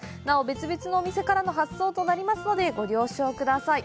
別々のお店からの発送となりますのでご了承ください。